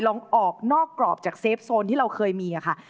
ลองออกนอกกรอบจากเซฟโซนที่เราเคยมีค่ะ